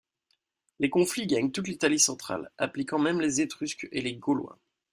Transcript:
Les conflits gagnent toute l’Italie centrale, impliquant même les Étrusques et les Gaulois.